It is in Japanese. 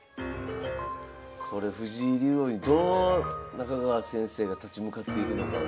これ藤井竜王にどう中川先生が立ち向かっていくのかが。